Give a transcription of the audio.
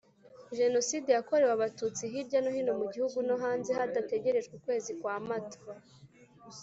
Jenoside yakorewe abatutsi hirya no hino mu gihugu no hanze hadategerejwe ukwezi kwa mata